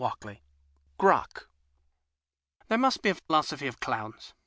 72 CROCK There must be a philosophy of clowns.